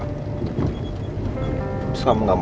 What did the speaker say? aku terpaksa ngelakuin ini sama kau